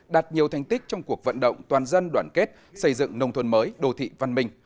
đạt nhiều thành tích trong cuộc vận động toàn dân đoàn kết xây dựng nông thôn mới đô thị văn minh